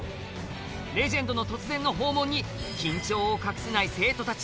レジェンドの突然の訪問に緊張を隠せない生徒たち